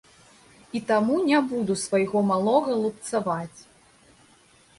І таму не буду свайго малога лупцаваць.